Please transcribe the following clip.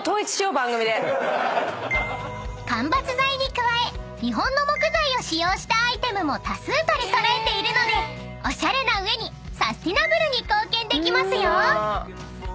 ［間伐材に加え日本の木材を使用したアイテムも多数取り揃えているのでおしゃれな上にサスティナブルに貢献できますよ］